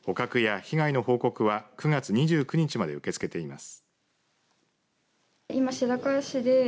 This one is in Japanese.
捕獲や被害の報告は９月２９日まで受け付けています。